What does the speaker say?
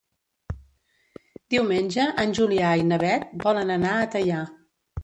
Diumenge en Julià i na Beth volen anar a Teià.